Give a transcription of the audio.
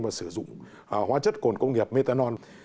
và sử dụng hoa chất cồn công nghiệp methanol